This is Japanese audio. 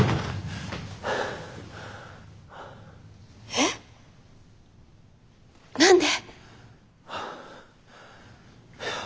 えっ？何で？